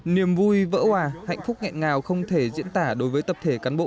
niềm vui vỡ hòa hạnh phúc nghẹn ngào không thể diễn tả đối với tập thể cán bộ